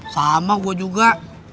sama gue juga